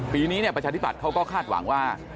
ปีนี้ประชาธิบัตย์เขาก็คาดหวังว่า